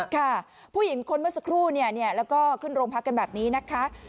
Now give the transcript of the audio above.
ค่ะผู้หญิงคนเมื่อสักครู่แล้วก็ขึ้นโรงพักกันแบบนี้นะคะ